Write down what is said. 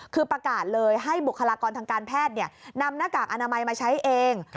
คือประกาศเลยให้บุคลากรทางการแพทย์นำหน้ากากอนามัยมาใช้เอง